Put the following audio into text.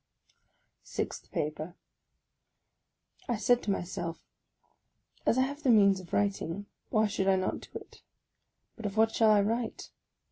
SIXTH PAPER I SAID to myself, " As I have the means of writing, why should I not do it? But of what shall I write?